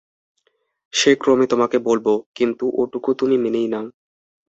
সে ক্রমে তোমাকে বলব, কিন্তু ওটুকু তুমি মেনেই নাও।